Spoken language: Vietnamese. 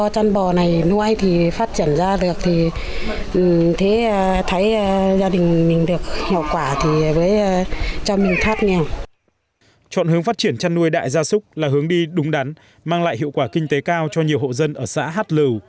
chọn hướng phát triển chăn nuôi đại gia súc là hướng đi đúng đắn mang lại hiệu quả kinh tế cao cho nhiều hộ dân ở xã hát lưu